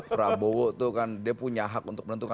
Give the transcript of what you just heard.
prabowo tuh kan dia punya hak untuk menentukan